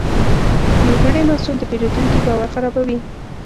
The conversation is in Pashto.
نیمګړی محصول د پیرودونکي باور خرابوي.